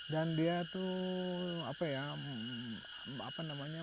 dan dia tuh apa ya apa namanya